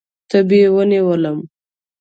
تبې ونیولم.